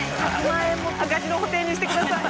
赤字の補填にしてください。